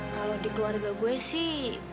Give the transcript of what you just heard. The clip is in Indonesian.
kalau di keluarga gue sih